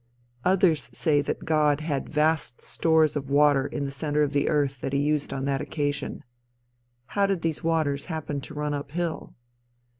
Others say that God had vast stores of water in the center of the earth that he used on that occasion. How did these waters happen to run up hill?